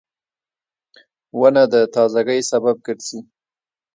• ونه د تازهګۍ سبب ګرځي.